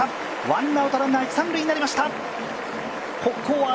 ワンアウト、ランナー一・三塁になりました。